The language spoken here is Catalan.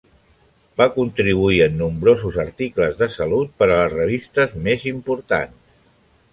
Va contribuir en nombrosos articles de salut per a les revistes més importants.